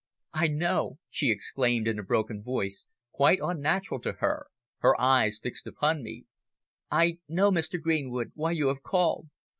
"I know!" she exclaimed in a broken voice, quite unnatural to her, her eyes fixed upon me, "I know, Mr. Greenwood, why you have called.